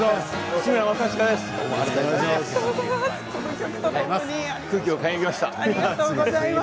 市村正親です。